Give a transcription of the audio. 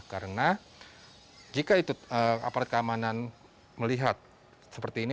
karena jika itu apart keamanan melihat seperti ini